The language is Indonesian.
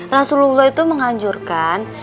rasulullah itu mengajurkan